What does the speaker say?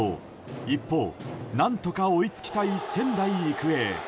一方、何とか追いつきたい仙台育英。